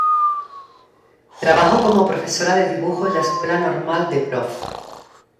Trabajo como profesora de dibujo en la Escuela Normal de Prof.